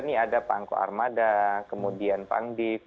ini ada pangko armada kemudian pangdip